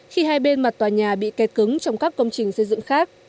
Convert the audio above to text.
khi hai bên mặt tòa nhà bị kè cứng trong các công trình xây dựng khác